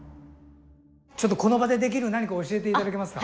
ちょっとこの場でできる何か教えて頂けますか？